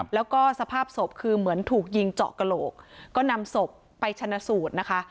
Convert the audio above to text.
แล้วก็สภาพศพคือเหมือนถูกยิงเจาะกระโหลกก็นำศพไปชนะสูตรนะคะ